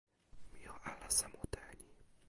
mi o alasa mute e ni.